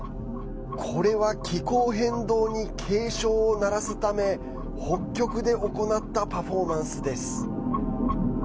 これは気候変動に警鐘を鳴らすため北極で行ったパフォーマンスです。